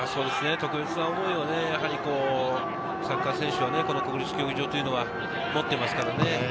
特別な思いをサッカー選手はこの国立競技場というのは持っていますからね。